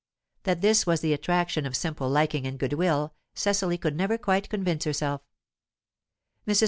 That this was the attraction of simple liking and goodwill, Cecily could never quite convince herself. Mrs.